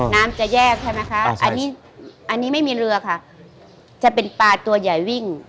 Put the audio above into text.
น้ำจะแยกใช่ไหมคะอันนี้อันนี้ไม่มีเรือค่ะจะเป็นปลาตัวใหญ่วิ่ง